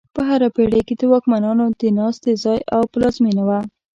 په هره پېړۍ کې د واکمنانو د ناستې ځای او پلازمینه وه.